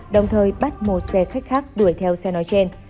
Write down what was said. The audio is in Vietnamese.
đồng thời bắt một xe khách khác đuổi theo xe nói trên